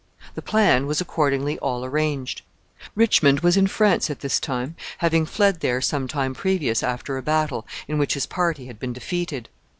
The plan was accordingly all arranged. Richmond was in France at this time, having fled there some time previous, after a battle, in which his party had been defeated.